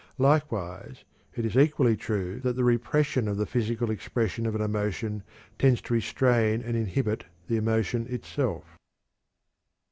Likewise, it is equally true that the repression of the physical expression of an emotion tends to restrain and inhibit the emotion itself.